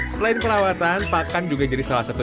selain perawatan pakan juga jadi salah satu